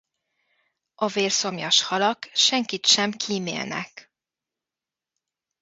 A vérszomjas halak senkit sem kímélnek.